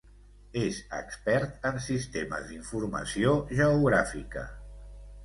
És expert en Sistemes d'Informació Geogràfica.